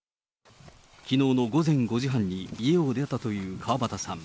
きのうの午前５時半に家を出たという河端さん。